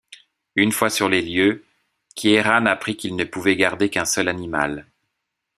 Une fois sur les lieux, Kieran apprit qu'il ne pouvait garder qu'un seul animal.